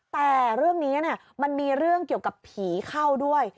แต่เรื่องนี้มันมีเรื่องเกี่ยวกับผีเข้าด้วย